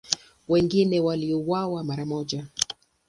Wengine waliuawa mara moja.